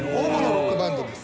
ロックバンドです。